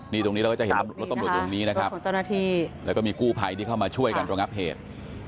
นี่ตรงนี้เราก็จะเห็นรถตำรวจตรงนี้นะครับแล้วก็มีกู้ไภที่เข้ามาช่วยกันตรงอัพเหตุ